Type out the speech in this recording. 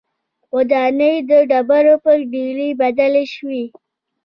ودانۍ د ډبرو پر ډېرۍ بدلې شوې